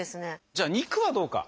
じゃあ肉はどうか？